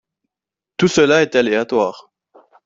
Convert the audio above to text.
Tout cela est aléatoire.